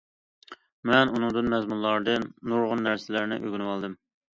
مەن ئۇنىڭدىن مەزمۇنلاردىن نۇرغۇن نەرسىلەرنى ئۆگىنىۋالدىم.